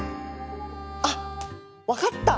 あっ分かった！